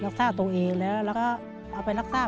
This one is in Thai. ลักษะตัวเองและแล้วเราก็เอาไปลักษะ